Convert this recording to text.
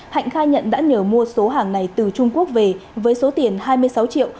hạnh khai nhận đã nhờ mua số hàng này từ trung quốc về với số tiền hai mươi sáu triệu